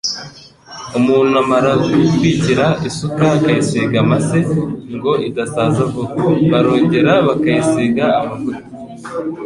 Umuntu amara gukwikira isuka, akayisiga amase, ngo idasaza vuba, barongera bakayisiga amavuta